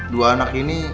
dua anak ini